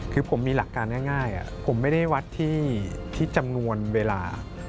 คือผมมีหลักการง่ายผมไม่ได้วัดที่จำนวนเวลา